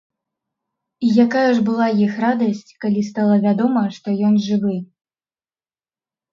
І якая ж была іх радасць, калі стала вядома, што ён жывы.